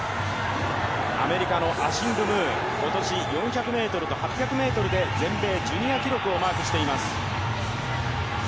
アメリカのアシング・ムー、今年４００ｍと８００ｍで全米ジュニア記録をマークしています。